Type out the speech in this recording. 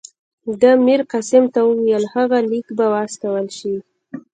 ده میرقاسم ته وویل هغه لیک به واستول شي.